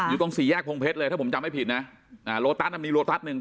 อยู่ตรงสี่แยกพงเพชรเลยถ้าผมจำไม่ผิดนะโลตัสมีโลตัสหนึ่ง